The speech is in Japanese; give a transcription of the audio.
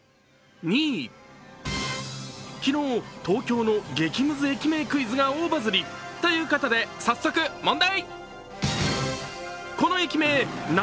昨日、東京の激ムズ駅名クイズ！が大バズり。ということで早速問題。